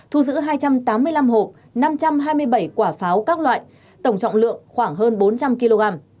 thu giữ hai trăm tám mươi năm hộp năm trăm hai mươi bảy quả pháo các loại tổng trọng lượng khoảng hơn bốn trăm linh kg